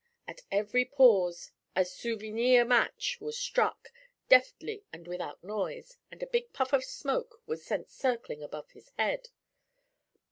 At every pause a 'soo vy nee yr match' was struck, deftly and without noise, and a big puff of smoke was sent circling above his head.